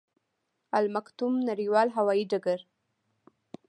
المکتوم نړیوال هوايي ډګر